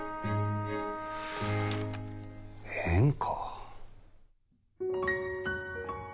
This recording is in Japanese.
変か。